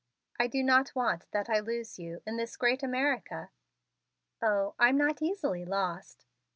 "I do not want that I lose you into this great America." "Oh, I'm not easily lost."